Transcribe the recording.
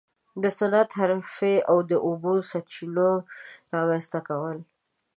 د صنعت، حرفې او د اوبو سرچینو رامنځته کول.